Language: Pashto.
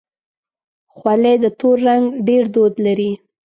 خولۍ د تور رنګ ډېر دود لري.